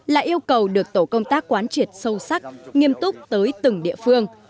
là yêu cầu được tổ công tác quán triệt sâu sắc nghiêm túc tới từng địa phương